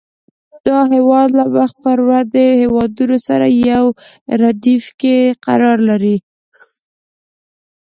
دا هېواد له مخ پر ودې هېوادونو سره په یو ردیف کې قرار لري.